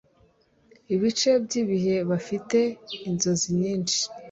ibice by'ibihe bafite inzozi nyinshi